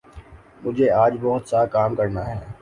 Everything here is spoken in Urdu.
مجھے آج بہت سا کام کرنا ہے